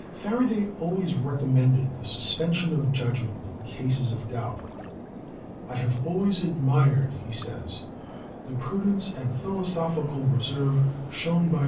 Faraday always recommended the suspension of judgment in cases of doubt. "I have always admired," he says, "the prudence and philosophical reserve shown by M.